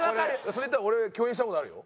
それ言ったら俺共演した事あるよ。